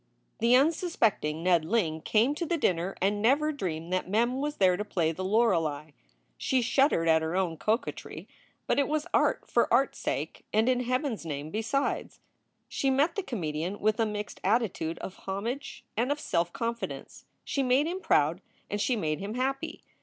The unsuspecting Ned Ling came to the dinner and never dreamed that Mem was there to play the Lorelei. She shuddered at her own coquetry, but it was art for art s sake and in Heaven s name besides. She met the comedian with a mixed attitude of homage and of self confidence. She made him proud and she made him happy.